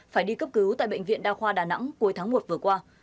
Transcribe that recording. phải đi cấp cứu tại bệnh viện đa khoa đà nẵng cuối tháng một vừa qua